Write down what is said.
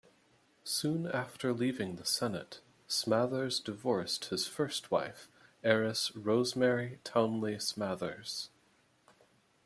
Soon after leaving the Senate, Smathers divorced his first wife, heiress Rosemary Townley Smathers.